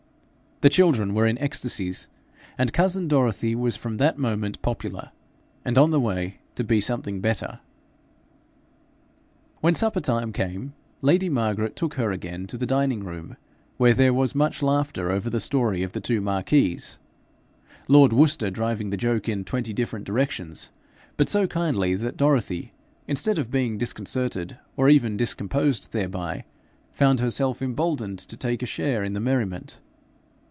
The children were in ecstasies, and cousin Dorothy was from that moment popular and on the way to be something better. When supper time came, lady Margaret took her again to the dining room, where there was much laughter over the story of the two marquises, lord Worcester driving the joke in twenty different directions, but so kindly that Dorothy, instead of being disconcerted or even discomposed thereby, found herself emboldened to take a share in the merriment.